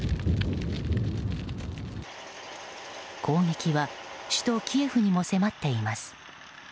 攻撃は首都キエフにも迫っています。